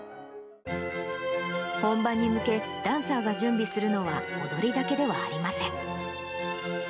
本番に向け、ダンサーが準備するのは踊りだけではありません。